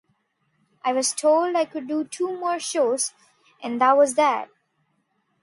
I was told I could do two more shows and that was that.